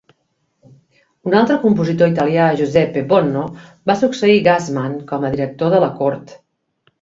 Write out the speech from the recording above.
Un altre compositor italià, Giuseppe Bonno, va succeir Gassmann com a director de la cort.